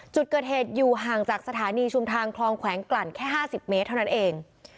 จุดเกิดเหตุอยู่ห่างจากสถานีชุมทางคลองแขวงกลั่นแค่๕๐เมตรเท่านั้นเอง